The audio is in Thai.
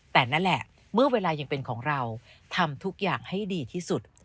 แต่นั่นแหละเมื่อเวลายังเป็นของเราทำทุกอย่างให้ดีที่สุด